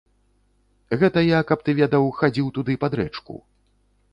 Гэта я, каб ты ведаў, хадзіў туды пад рэчку.